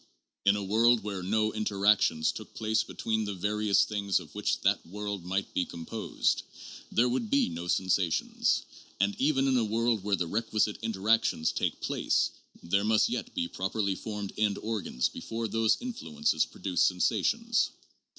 In a world where no interactions took place between the various things of which that world might be composed, there would be no sensations; and even in a world where the requisite interactions take place, there must yet be properly formed end organs before those influences pro duce sensations.